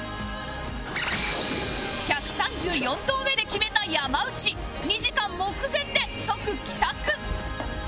１３４投目で決めた山内２時間目前で即帰宅